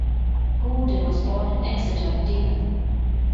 Goode was born in Exeter, Devon.